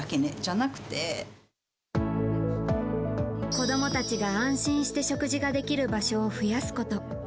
子供たちが安心して食事ができる場所を増やすこと。